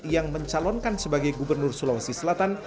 yang mencalonkan sebagai gubernur sulawesi selatan